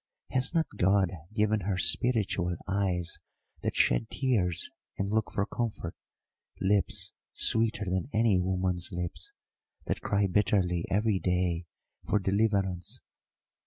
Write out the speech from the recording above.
Has not God given her spiritual eyes that shed tears and look for comfort; lips sweeter than any woman's lips, that cry bitterly every day for deliverance?